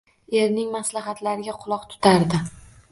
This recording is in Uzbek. Erining maslahatlariga quloq tutardi